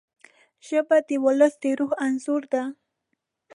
ژبه د ولس د روح انځور ده